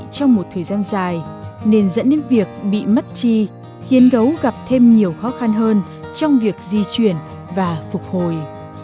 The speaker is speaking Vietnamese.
trong một thời gian dài nên dẫn đến việc bị mất chi khiến gấu gặp thêm nhiều khó khăn hơn trong việc di chuyển và phục hồi